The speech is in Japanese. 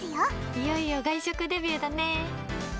いよいよ外食デビューだね。